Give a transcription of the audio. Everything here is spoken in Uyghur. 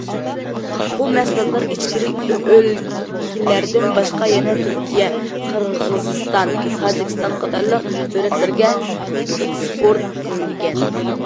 بۇ مەھسۇلاتلار ئىچكىرى ئۆلكىلەردىن باشقا يەنە تۈركىيە، قىرغىزىستان، تاجىكىستان قاتارلىق دۆلەتلەرگە ئېكسپورت قىلىنىدىكەن.